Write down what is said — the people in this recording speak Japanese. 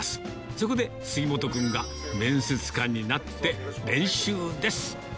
そこで杉本君が、面接官になって、練習です。